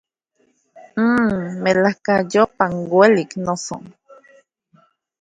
Mmmm, ¡melajkayopa uelik, noso!